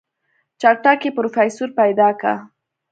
چټک پې پروفيسر پيدا که.